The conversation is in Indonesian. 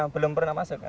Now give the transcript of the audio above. belum pernah masuk